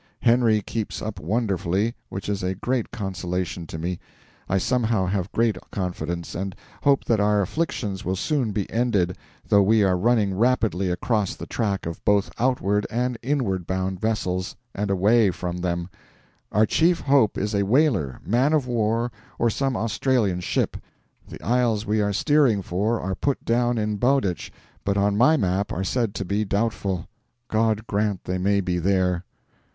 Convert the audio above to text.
Henry keeps up wonderfully, which is a great consolation to me. I somehow have great confidence, and hope that our afflictions will soon be ended, though we are running rapidly across the track of both outward and inward bound vessels, and away from them; our chief hope is a whaler, man of war, or some Australian ship. The isles we are steering for are put down in Bowditch, but on my map are said to be doubtful. God grant they may be there!